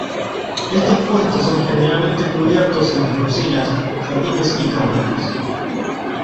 Estos puestos son generalmente cubiertos en las cocinas, jardines y cámaras.